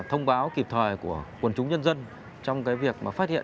thông báo kịp thời của quần chúng nhân dân trong việc phát hiện